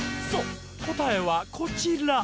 そうこたえはこちら。